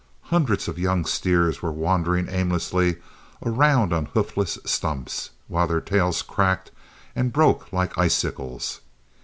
Hundreds of young steers were wandering aimlessly around on hoofless stumps, while their tails cracked and broke like icicles.